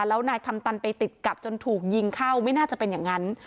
แล้วนายคำตันไปติดกับจนถูกยิงเข้าไม่น่าจะเป็นอย่างนั้น